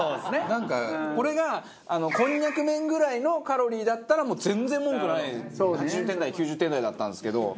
なんかこれがこんにゃく麺ぐらいのカロリーだったらもう全然文句ない８０点台９０点台だったんですけど。